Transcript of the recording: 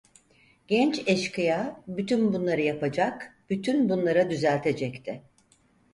Genç eşkıya, bütün bunları yapacak, bütün bunları düzeltecekti.